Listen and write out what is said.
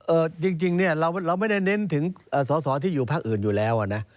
จริงเนี่ยเราไม่ได้เน้นถึงสอสอที่อยู่ภาคอื่นอยู่แล้วอ่ะนะ